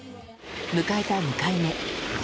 迎えた２回目。